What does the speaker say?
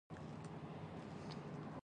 کلتور دوی د ښکار لپاره دام کارولو ته نه هڅول